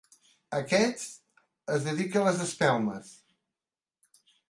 Aquest es dedica a les espelmes.